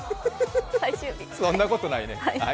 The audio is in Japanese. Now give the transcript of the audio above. そんなことないね。